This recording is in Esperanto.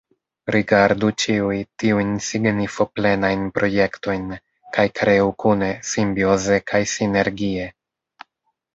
Rigardu ĉiuj tiujn signifoplenajn projektojn, kaj kreu kune, simbioze kaj sinergie!